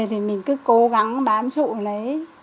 thì mình cứ cố gắng bám trụ lấy